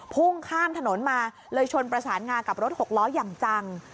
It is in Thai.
พุ่งข้ามถนนมาเลยชนประสานงากับรถหกล้ออย่างจัง